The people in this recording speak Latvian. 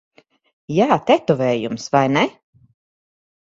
Jā, tetovējums. Vai ne?